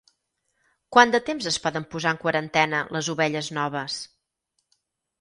Quant de temps es poden posar en quarantena les ovelles noves?